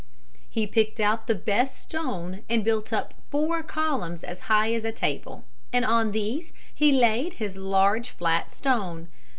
He picked out the best stone and built up four columns as high as a table and on these he laid his large, flat stone.